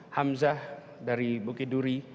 hamzah dari bukiduri